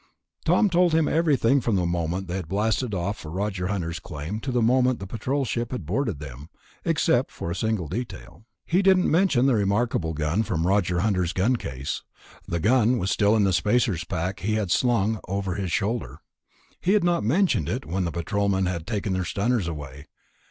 Tom told him everything, from the moment they had blasted off for Roger Hunter's claim to the moment the Patrol ship had boarded them, except for a single detail. He didn't mention the remarkable gun from Roger Hunter's gun case. The gun was still in the spacer's pack he had slung over his shoulder; he had not mentioned it when the Patrolmen had taken their stunners away.